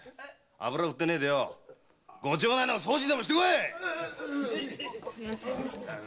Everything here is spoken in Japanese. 油を売ってないでご町内の掃除でもしてこい！